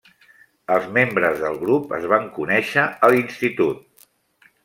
Els membres del grup es van conèixer a l'institut.